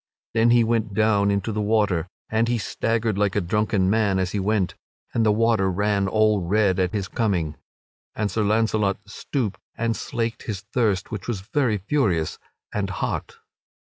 Then he went down into the water, and he staggered like a drunken man as he went, and the water ran all red at his coming. And Sir Launcelot stooped and slaked his thirst, which was very furious and hot.